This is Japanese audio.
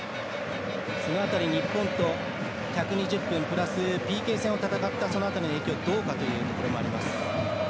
その辺り日本と１２０分プラスＰＫ戦を戦ったその辺りの影響、どうかというところもあります。